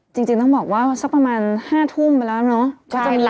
จริงต้องบอกว่าสักประมาณ๕ทุ่มไปแล้วเนาะ